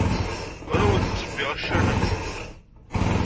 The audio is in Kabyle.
Ur awent-ttebbiɣ accaren-nwent.